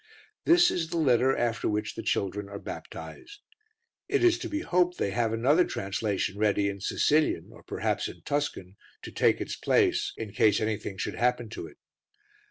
This is the letter after which the children are baptized. It is to be hoped they have another translation ready in Sicilian, or perhaps in Tuscan, to take its place in case anything should happen to it.